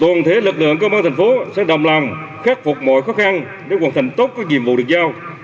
toàn thể lực lượng công an thành phố sẽ đồng lòng khắc phục mọi khó khăn để hoàn thành tốt các nhiệm vụ được giao